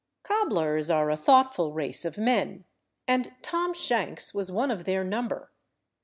Cobblers are a thoughtful race of men, and Tom Shanks was one of their number.